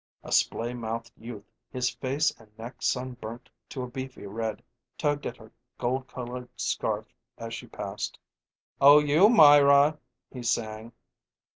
A splay mouthed youth, his face and neck sunburnt to a beefy red, tugged at her gold colored scarf as she passed. "Oh, you Myra!" he sang.